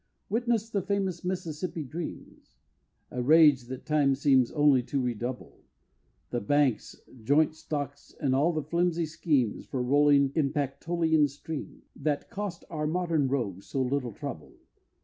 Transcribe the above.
Witness the famous Mississippi dreams! A rage that time seems only to redouble The Banks, Joint Stocks, and all the flimsy schemes, For rolling in Pactolian streams, That cost our modern rogues so little trouble.